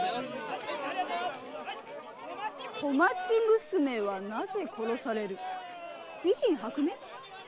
「小町娘はなぜ殺される」「美人薄命」？